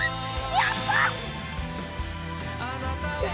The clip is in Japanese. やった！